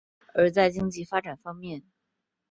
而在经济发展方面。